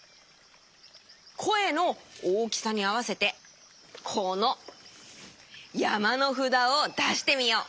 こえの大きさにあわせてこのやまのふだをだしてみよう。